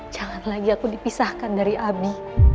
jangan lagi aku dipisahkan dari abi